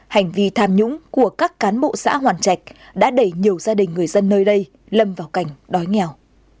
hành vi tham nhũng của các cán bộ xã hoàn trạch đã đẩy nhiều gia đình người dân nơi đây lầm vào cảnh đói nghèo